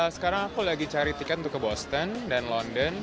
sekarang aku lagi cari tiket untuk ke boston dan london